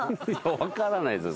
分からないっすよ